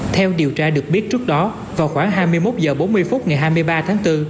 theo điều tra được biết trước đó vào khoảng hai mươi một h bốn mươi phút ngày hai mươi ba tháng bốn